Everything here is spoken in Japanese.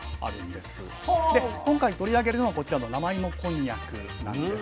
で今回取り上げるのはこちらの生芋こんにゃくなんです。